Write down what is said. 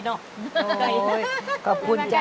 โอ้โฮขอบคุณจ้ะ